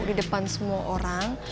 di depan semua orang